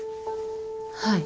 はい。